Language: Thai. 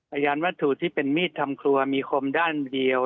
พยานวัตถุที่เป็นมีดทำครัวมีคมด้านเดียว